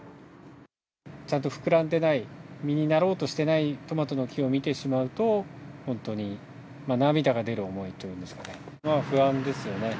ちゃんと膨らんでない、実になろうとしてないトマトの木を見てしまうと、本当に涙が出る思いというんでしょうかね。